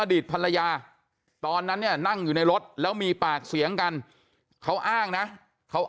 อดีตภรรยาตอนนั้นเนี่ยนั่งอยู่ในรถแล้วมีปากเสียงกันเขาอ้างนะเขาอ้าง